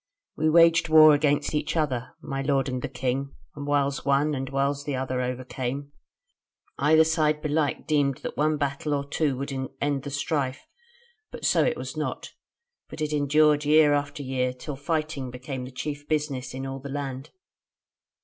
"We waged war against each other, my lord and the king, and whiles one, and whiles the other overcame. Either side belike deemed that one battle or two would end the strife; but so it was not, but it endured year after year, till fighting became the chief business of all in the land.